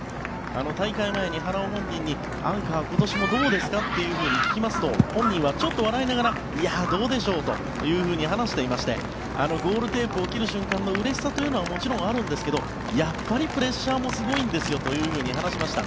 大会前に花尾本人にアンカー、今年もどうですか？と聞きますと本人はちょっと笑いながらいやあ、どうでしょうと話していましてゴールテープを切る瞬間のうれしさというのはもちろんあるんですけどやっぱりプレッシャーもすごいんですよと話しました。